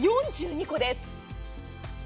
４２個です。